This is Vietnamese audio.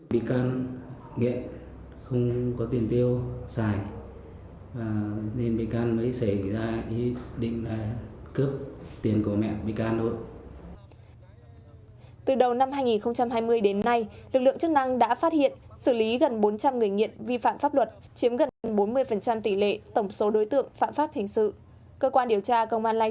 bị can nghiện không có tiền tiêu xài nên bị can mới xảy ra ý định là cướp tiền của mẹ bị can thôi